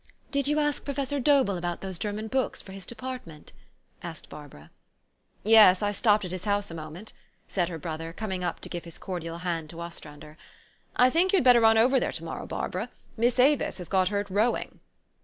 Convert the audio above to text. '' Did you ask Professor Dobell about those Ger man books for his department? " asked Barbara. "Yes : I stopped at his house a moment," said her brother, coming up to give his cordial hand to Os trander. " I think } T OU had better run over there to morrow, Barbara. Miss Avis has got hurt rowing."